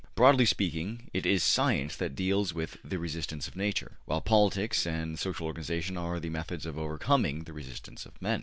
Broadly speaking, it is science that deals with the resistance of Nature, while politics and social organization are the methods of overcoming the resistance of men.